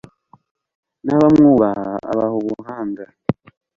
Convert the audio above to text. n'abamwubaha abaha ubuhanga